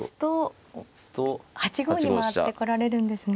受けますと８五に回ってこられるんですね。